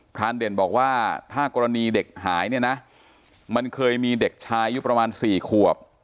รานเด่นบอกว่าถ้ากรณีเด็กหายเนี่ยนะมันเคยมีเด็กชายอายุประมาณ๔ขวบ